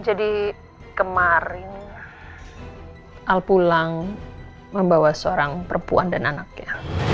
jadi kemarin al pulang membawa seorang perempuan dan anaknya